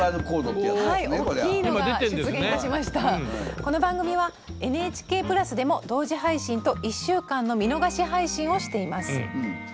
この番組はＮＨＫプラスでも同時配信と１週間の見逃し配信をしています。